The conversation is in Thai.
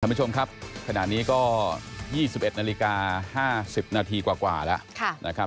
ผู้ชมครับขณะนี้ก็๒๑นาฬิกา๕๐นาทีกว่าแล้วนะครับ